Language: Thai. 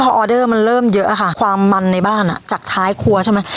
พอออเดอร์มันเริ่มเยอะค่ะความมันในบ้านอ่ะจากท้ายครัวใช่ไหม